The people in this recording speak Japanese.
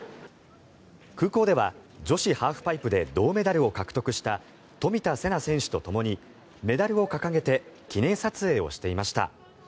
空港では女子ハーフパイプで銅メダルを獲得した冨田せな選手とともにメダルを掲げて記念撮影をしていました。